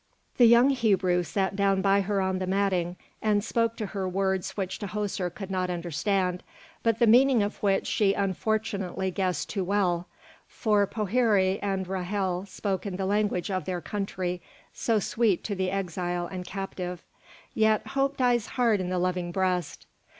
The young Hebrew sat down by her on the matting, and spoke to her words which Tahoser could not understand, but the meaning of which she unfortunately guessed too well; for Poëri and Ra'hel spoke in the language of their country, so sweet to the exile and captive. Yet hope dies hard in the loving breast.